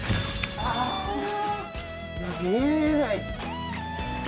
見えない。